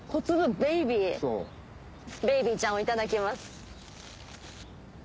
ベイビーちゃんをいただきます。